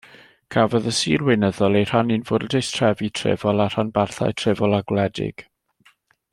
Cafodd y sir weinyddol ei rhannu'n fwrdeistrefi trefol a rhanbarthau trefol a gwledig.